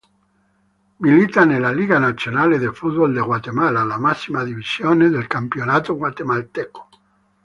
Milita nella Liga Nacional de Fútbol de Guatemala, la massima divisione del campionato guatemalteco.